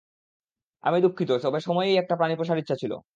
আমি দুঃখিত, তবে সবসময়ই একটা প্রাণী পোষার ইচ্ছা ছিল।